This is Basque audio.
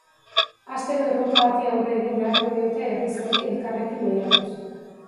Astero erronka bati aurre egin beharko diote herriz herri elkarrekin lehiatuz.